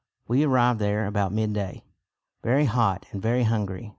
We arrived there about midday, very hot and very hungry.